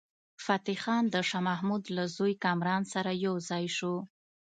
فتح خان د شاه محمود له زوی کامران سره یو ځای شو.